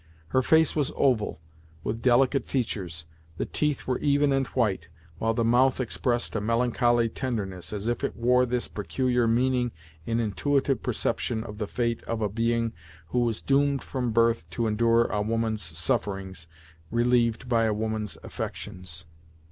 Her face was oval, with delicate features, the teeth were even and white, while the mouth expressed a melancholy tenderness, as if it wore this peculiar meaning in intuitive perception of the fate of a being who was doomed from birth to endure a woman's sufferings, relieved by a woman's affections.